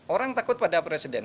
orang takut pada presiden